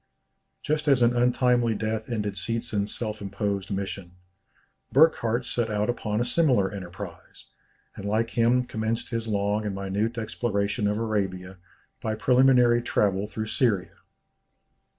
Just as an untimely death ended Seetzen's self imposed mission, Burckhardt set out upon a similar enterprise, and like him commenced his long and minute exploration of Arabia by preliminary travel through Syria.